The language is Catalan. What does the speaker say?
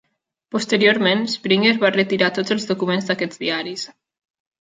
Posteriorment, Springer va retirar tots els documents d"aquests diaris.